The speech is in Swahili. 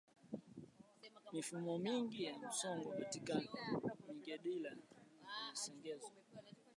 mifumo mingine ya msongo katika amigdala iliyoongezeka ya